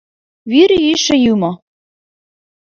Вӱр йӱшӧ юмо!